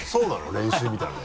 練習みたいなので？